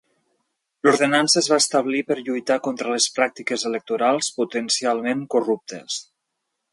L'ordenança es va establir per lluitar contra les pràctiques electorals potencialment corruptes.